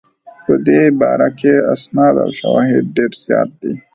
په دې باره کې اسناد او شواهد ډېر زیات دي.